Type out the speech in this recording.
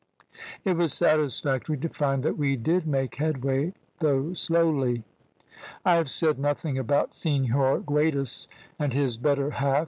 It was satisfactory to find that we did make headway, though slowly. "I have said nothing about Senhor Guedes and his better half.